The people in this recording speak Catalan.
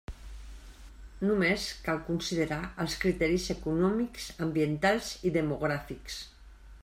Només cal considerar els criteris econòmics, ambientals i demogràfics.